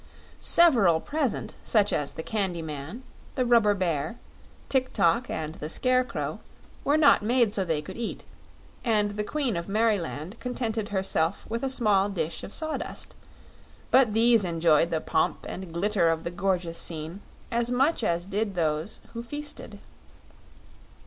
Several present, such as the Candy Man, the Rubber Bear, Tik tok, and the Scarecrow, were not made so they could eat, and the Queen of Merryland contented herself with a small dish of sawdust; but these enjoyed the pomp and glitter of the gorgeous scene as much as did those who feasted.